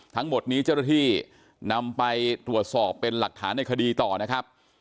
ทั้งหมดนี้เจ้าหน้าที่นำไปตรวจสอบเป็นหลักฐานในคดีต่อนะครับ